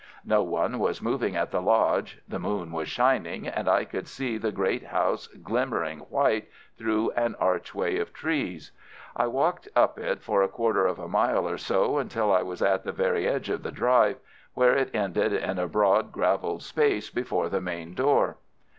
No one was moving at the lodge. The moon was shining, and I could see the great house glimmering white through an archway of trees. I walked up it for a quarter of a mile or so, until I was at the edge of the drive, where it ended in a broad, gravelled space before the main door.